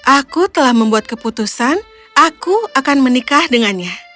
aku telah membuat keputusan aku akan menikah dengannya